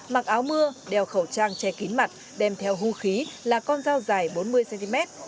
mặc áo mưa đeo khẩu trang che kín mặt đem theo hưu khí là con dao dài bốn mươi cm